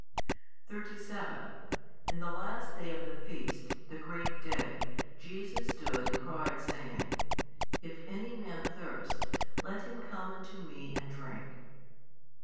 37 In the last day of the feast, the great day, Jesus stood and cried saying; If any man thirst, let him come unto Me and drink.